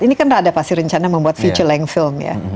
ini kan ada pasti rencana membuat future lang film ya